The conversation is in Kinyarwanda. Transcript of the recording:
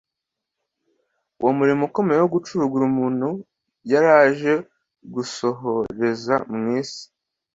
uwo murimo ukomeye wo gucurugura umuntu yari aje gusohoreza mu isi.